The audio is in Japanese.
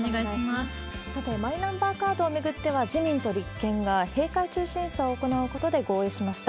さて、マイナンバーカードを巡っては、自民と立憲が閉会中審査を行うことで合意しました。